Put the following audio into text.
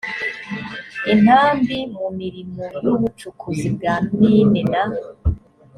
intambi mu mirimo y ubucukuzi bwa mine na